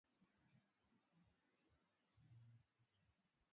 hawako lakini kunakuwa na watu ambao wanatumua